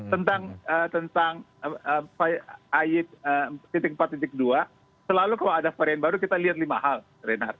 tentang ayat empat dua selalu kalau ada varian baru kita lihat lima hal renat